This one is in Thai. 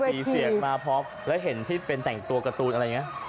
มีเสียงมาพร้อมแล้วเห็นที่เป็นแต่งตัวการ์ตูนอะไรอย่างนี้